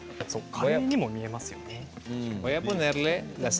カレーにも見えますよね。